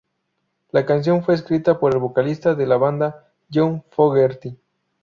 La canción fue escrita por el vocalista de la banda, John Fogerty.